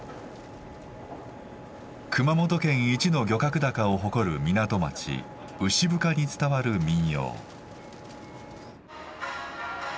熊本県一の漁獲高を誇る港町牛深に伝わる民謡。